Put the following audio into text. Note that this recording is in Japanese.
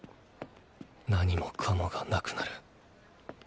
何もかもがなくなる。